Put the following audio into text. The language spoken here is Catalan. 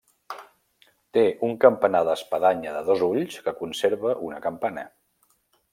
Té un campanar d'espadanya de dos ulls que conserva una campana.